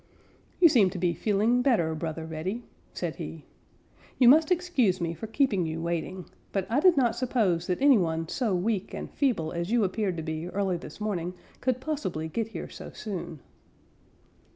"You seem to be feeling better, Brother Reddy," said he. "You must excuse me for keeping you waiting, but I did not suppose that any one so weak and feeble as you appeared to be early this morning could possibly get here so soon."